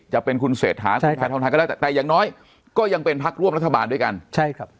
จะเป็นคุณเศรษฐานคุณแทนธรรมไทยก็ได้